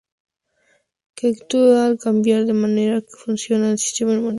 Que actúa al cambiar la manera en la que funciona el sistema inmunitario.